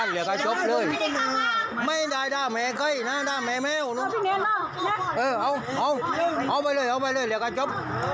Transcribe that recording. เอ้ยเอาเอาเอาไปเลยเอาไปเลยแล้วก็ชบ